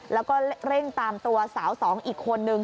แล้วก็เร่งตามตัวสาวสองอีกคนนึง